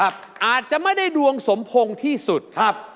ไม่เชื่อดวงชะตา